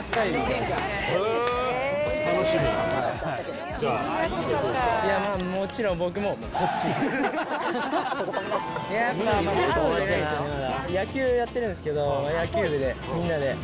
なんか、彼女いないんで、野球やってるんですけど、野球部で、みんなで。